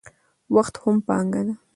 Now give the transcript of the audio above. وخت هم پانګه ده.